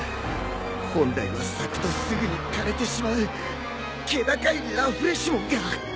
本来は咲くとすぐに枯れてしまう気高いラフレシモンが。